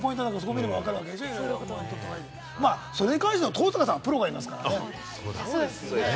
それに関しては登坂さん、プロがいますから。